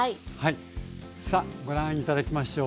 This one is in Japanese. さあご覧頂きましょう。